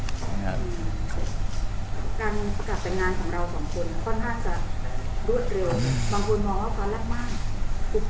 การประกาศเป็นงานของเรา๒คนค่อนข้างจะรวดเร็ว